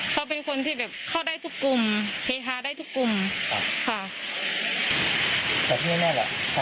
เพราะอะไรคะบาตรงี้หรือว่ารักษณะ